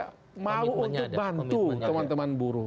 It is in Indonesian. tidak tahu untuk bantu teman teman buruh